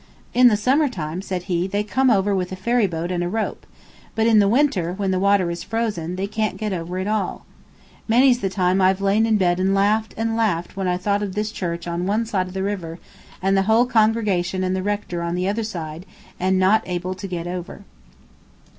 "In the summer time," said he, "they come over with a ferry boat and a rope; but in the winter, when the water is frozen, they can't get over at all. Many's the time I've lain in bed and laughed and laughed when I thought of this church on one side of the river, and the whole congregation and the rector on the other side, and not able to get over."